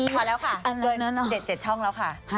พอแล้วค่ะเกิดเจ็ดช่องแล้วค่ะ